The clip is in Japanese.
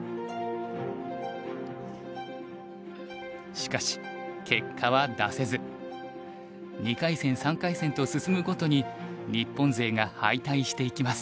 しかし結果は出せず２回戦３回戦と進むごとに日本勢が敗退していきます。